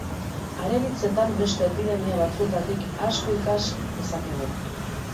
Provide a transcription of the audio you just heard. Haren hitzetan beste epidemia batzuetatik asko ikas dezakegu.